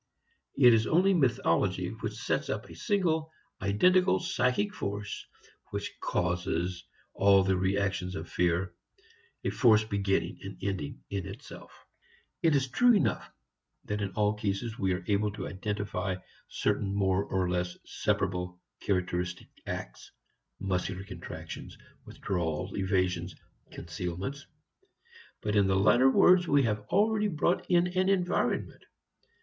It is only mythology which sets up a single, identical psychic force which "causes" all the reactions of fear, a force beginning and ending in itself. It is true enough that in all cases we are able to identify certain more or less separable characteristic acts muscular contractions, withdrawals, evasions, concealments. But in the latter words we have already brought in an environment.